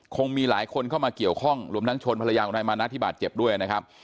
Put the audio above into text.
คงมีหลายคนเข้ามาเกี่ยวข้องรวมทั้งชนภรรยาของนายมานะที่บาดเจ็บด้วยนะครับ